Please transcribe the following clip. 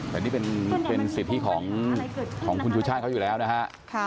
แต่นี่เป็นสิทธิของคุณชูชาติเขาอยู่แล้วนะฮะ